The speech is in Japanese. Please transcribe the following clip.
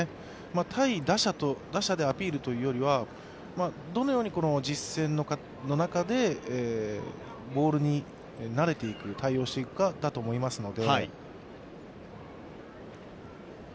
対打者でアピールというよりは、どのようにどのように実戦の中で、ボールに慣れていく、対応していくかだと思いますので。